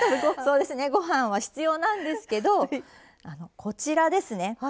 そうですねご飯は必要なんですけどこちらですね。